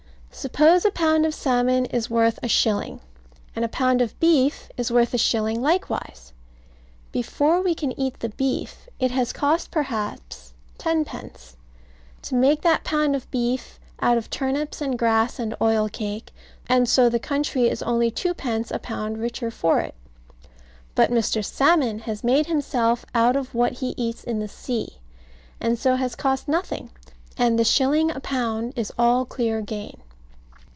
Suppose a pound of salmon is worth a shilling; and a pound of beef is worth a shilling likewise. Before we can eat the beef, it has cost perhaps tenpence to make that pound of beef out of turnips and grass and oil cake; and so the country is only twopence a pound richer for it. But Mr. Salmon has made himself out of what he eats in the sea, and so has cost nothing; and the shilling a pound is all clear gain.